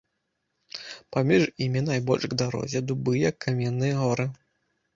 Паміж імі, найбольш к дарозе, дубы як каменныя горы.